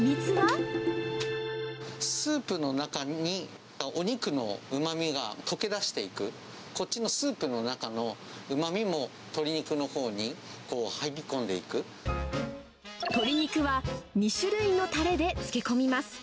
スープの中に、お肉のうまみが溶け出していく、こっちのスープの中のうまみも鶏鶏肉は、２種類のたれで漬け込みます。